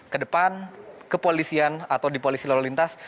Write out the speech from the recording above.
ke depan kepolisian atau di polisi lalu lintas